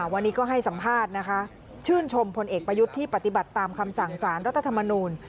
วันนี้ก็ให้สัมภาษณ์นะคะชื่นชมพลเอกประยุทธ์ที่ปฏิบัติตามคำสั่งสารรัฐธรรมนูล